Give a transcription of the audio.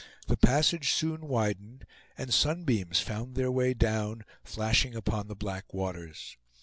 The passage soon widened, and sunbeams found their way down, flashing upon the black waters.